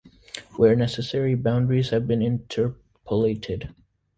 Where necessary, boundaries have been interpolated.